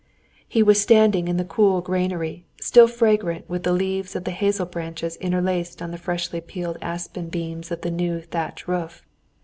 He was standing in the cool granary, still fragrant with the leaves of the hazel branches interlaced on the freshly peeled aspen beams of the new thatch roof.